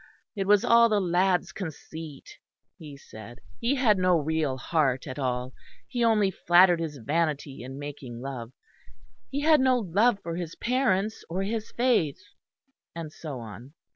It was all the lad's conceit, he said; he had no real heart at all; he only flattered his vanity in making love; he had no love for his parents or his faith, and so on.